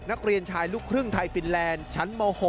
นักเรียนชายลูกครึ่งไทยฟินแลนด์ชั้นม๖